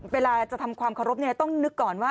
เวลาจะทำความขอบครบนี่ต้องนึกก่อนว่า